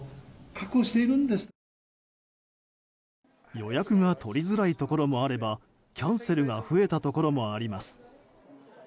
予約が取りづらいところもあればキャンセルが増えたところもあります。